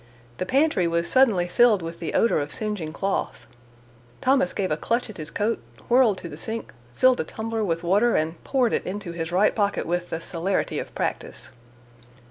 The pantry was suddenly filled with the odor of singeing cloth. Thomas gave a clutch at his coat, whirled to the sink, filled a tumbler with water and poured it into his right pocket with the celerity of practice.